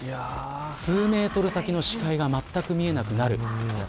数メートル先の視界がまったく見えなくなる。